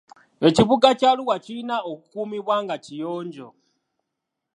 Ekibuga kya Arua kirina okukuumibwa nga kiyonjo .